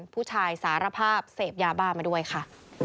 ผู้ชายสารภาพเสพยาบ้ามาด้วยค่ะ